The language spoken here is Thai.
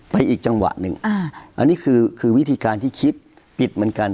อีกจังหวะหนึ่งอันนี้คือคือวิธีการที่คิดผิดเหมือนกัน